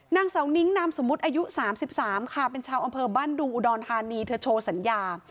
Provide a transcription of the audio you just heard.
นางเสานิ้งนามสมมุติอายุ๓๓ค่ะเป็นชาวอำเภอบ้านดุงอุดรธานีเธอโชว์สัญญา